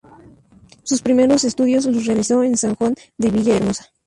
Sus primeros estudios los realizó en San Juan de Villahermosa.